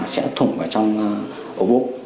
sẽ thủng vào trong ổ bụng